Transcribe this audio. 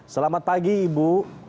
selamat pagi ibu